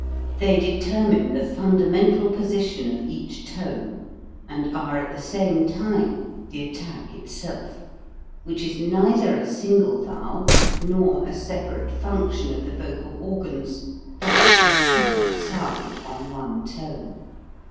They determine the fundamental position of each tone and are at the same time the attack itself, which is neither a single vowel nor a separate function of the vocal organs but a triple sound on one tone.